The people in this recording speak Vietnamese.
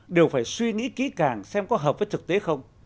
đều phải suy nghĩ kỹ càng xem có hợp với thực tế không